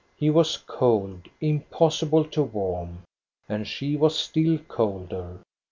He was cold, impossible to warm, and she was still colder.